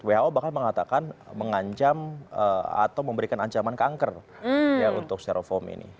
who bahkan mengatakan mengancam atau memberikan ancaman kanker untuk steroform ini